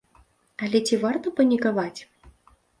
Але ці варта панікаваць?